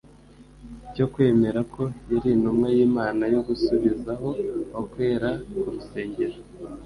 cyo kwemera ko yari intumwa y'Imana yo gusubizaho ukwera k'urusengero.